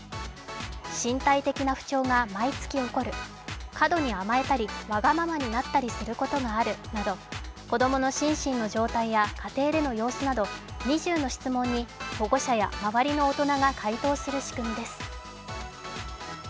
身体的な不調が毎月起こる、過度に甘えたりわがままになったりすることがあるなど子供の心身の状態や家庭での様子など２０の質問に保護者や周りの大人が回答する仕組みです。